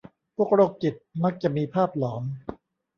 พวกโรคจิตมักจะมีภาพหลอน